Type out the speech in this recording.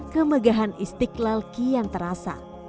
kemegahan istiqlal kian terasa